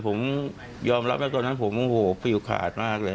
ผมยอมรับว่าตอนนั้นผมโมโหฟิวขาดมากเลย